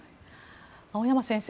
青山先生